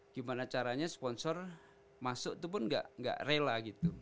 gimana caranya sponsor masuk itu pun gak rela gitu